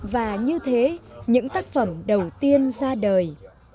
và như thế những tác phẩm đầu tiên ra đời